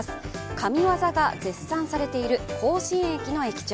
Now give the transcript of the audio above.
神業が絶賛されている甲子園駅の駅長